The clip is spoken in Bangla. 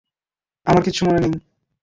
আমার কিছু মনে নেই।